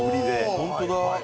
本当だ！